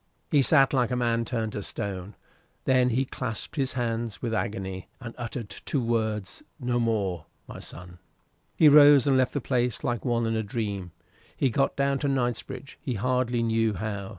He sat like a man turned to stone; then he clasped his hands with agony, and uttered two words no more "My son!" He rose and left the place like one in a dream. He got down to Knightsbridge, he hardly knew how.